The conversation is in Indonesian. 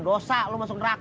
dosa lo masuk neraka